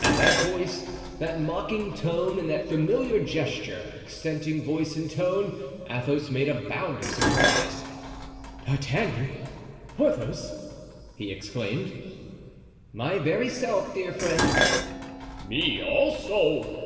At that voice, that mocking tone, and that familiar gesture, accenting voice and tone, Athos made a bound of surprise. "D'Artagnan! Porthos!" he exclaimed. "My very self, dear friend." "Me, also!"